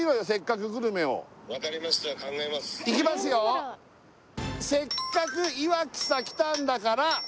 これ「せっかくいわきさ来たんだがら」